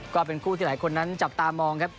ก็เป็นคู่ที่หลายคนนั้นจับตามองครับ